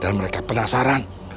dan mereka penasaran